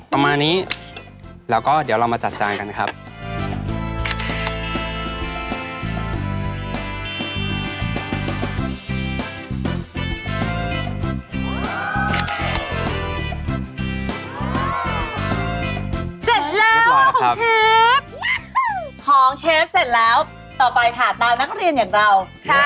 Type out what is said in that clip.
ของเชฟเสร็จแล้วต่อไปค่ะตามนักเรียนอย่างเรา